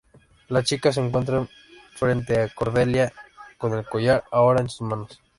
Las chicas se encuentran frente a Cordelia, con el collar ahora en sus manos.